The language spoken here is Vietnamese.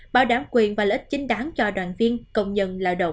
bảo đảm quyền và lợi ích chính đáng cho đoàn viên công nhân lao động